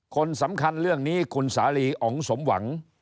คนสำคัญเรื่องนี้คุณสาลีอ๋องสมหวัง